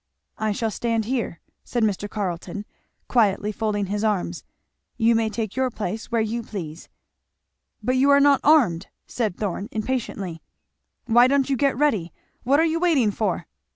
"I shall stand here," said Mr. Carleton, quietly folding his arms; "you may take your place where you please." "But you are not armed!" said Thorn impatiently, "why don't you get ready? what are you waiting for?"